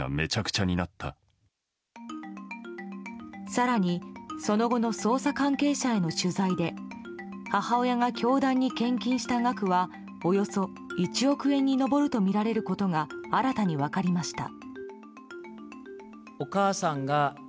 更に、その後の捜査関係者への取材で母親が教団に献金した額はおよそ１億円に上るとみられることが新たに分かりました。